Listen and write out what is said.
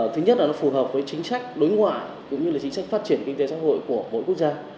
thứ nhất là nó phù hợp với chính sách đối ngoại cũng như chính sách phát triển kinh tế xã hội của mỗi quốc gia